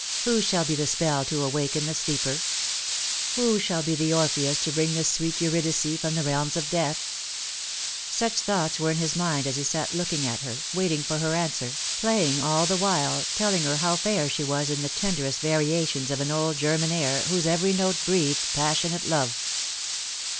Whose shall be the spell to awaken the sleeper ? Who shall be the Orpheus to bring this sweet Eurydice from the realms of Death ?" Such thoughts were in his mind as he sat looking at her, waiting for her answer, playing all the while, telling her how fair she was in the tenderest variations of an old German air whose every note breathed passionate love.